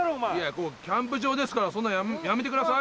ここキャンプ場ですからやめてください。